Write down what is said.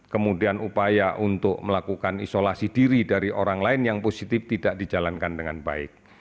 kemudian upaya untuk melakukan isolasi diri dari orang lain yang positif tidak dijalankan dengan baik